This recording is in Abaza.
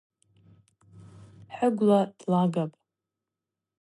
Хӏыгвла длагапӏ.